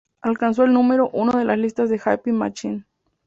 Alcanzó el número uno en las listas de Hype Machine.